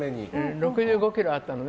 ６５ｋｇあったのね。